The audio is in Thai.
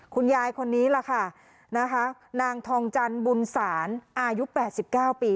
คุณยายคนนี้ล่ะค่ะนะคะนางทองจันบุญสารอายุแปดสิบเก้าปี